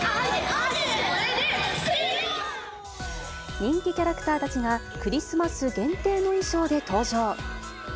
人気キャラクターたちが、クリスマス限定の衣装で登場。